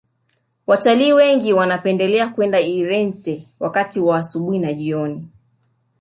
watalii wengi wanapendelea kwenda irente wakati wa asubuhi na jioni